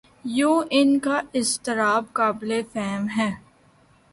یوں ان کا اضطراب قابل فہم ہے۔